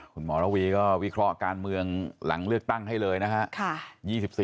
คุณหมอโลวีก็วิเคราะห์การเมืองหลังเลือกตั้งให้เลยนะครับ